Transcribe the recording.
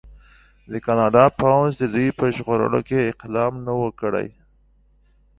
د کاناډا پوځ د دوی په ژغورلو کې اقدام نه و کړی.